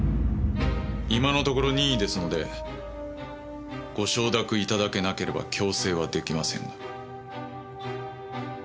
今のところ任意ですのでご承諾頂けなければ強制は出来ませんが。